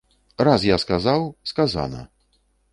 Раз я сказаў, сказана!